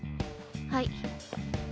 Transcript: はい。